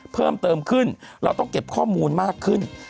เพิ่มเติมขึ้นเราต้องเก็บข้อมูลมากขึ้น